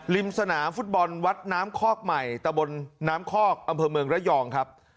สนามฟุตบอลวัดน้ำคอกใหม่ตะบนน้ำคอกอำเภอเมืองระยองครับ